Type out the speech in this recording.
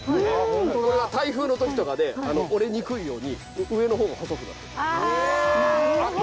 台風のときとかで折れにくいように上の方が細くなってる。